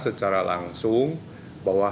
secara langsung bahwa